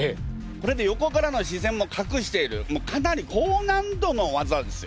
これで横からの視線もかくしているかなり高難度の技ですよ。